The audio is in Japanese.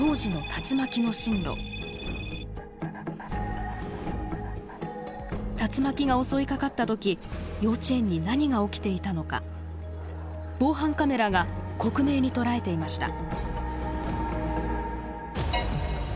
竜巻が襲いかかった時幼稚園に何が起きていたのか防犯カメラが克明に捉えていました。